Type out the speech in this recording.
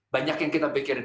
banyak yang kita pikirkan